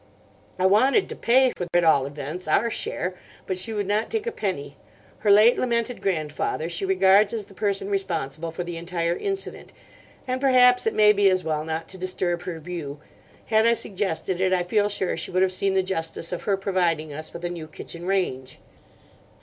I wanted to pay for—at all events—our share, but she would not take a penny. Her late lamented grandfather she regards as the person responsible for the entire incident, and perhaps it may be as well not to disturb her view. Had I suggested it, I feel sure she would have seen the justice of her providing us with a new kitchen range.